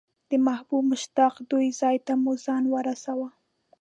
د محبوب مشتاق دوی ځای ته مو ځان ورساوه.